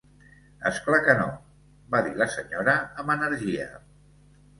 "És clar que no", va dir la senyora amb energia.